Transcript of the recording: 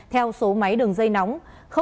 theo số máy đường dây nóng